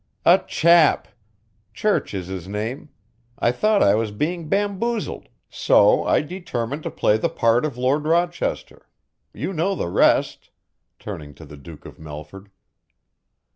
"A chap. Church is his name I thought I was being bamboozled, so I determined to play the part of Lord Rochester you know the rest." Turning to the Duke of Melford.